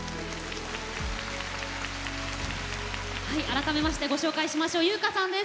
改めましてご紹介しましょう由薫さんです。